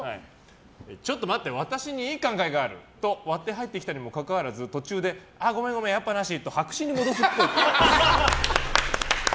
ちょっと待って私にいい考えがあると割って入ってきたにもかかわらず途中で、ああ、ごめんごめんやっぱなしと白紙に戻すっぽい。